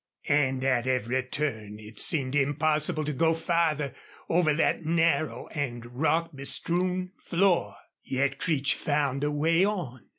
And at every turn it seemed impossible to go farther over that narrow and rock bestrewn floor. Yet Creech found a way on.